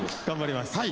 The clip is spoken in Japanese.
頑張ります。